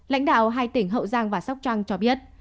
lãnh đạo hai tỉnh hậu giang và sóc trăng cho biết